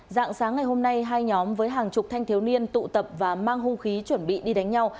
dạng sáng ngày hôm nay hai nhóm với hàng chục thanh thiếu niên tụ tập và mang hung khí chuẩn bị đi đánh nhau